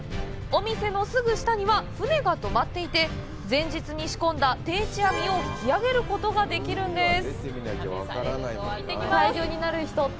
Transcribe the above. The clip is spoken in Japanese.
お店のすぐ下には船が泊まっていて前日に仕込んだ定置網を引き揚げることができるんです。